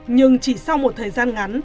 nhưng chỉ sau một thời gian ngắn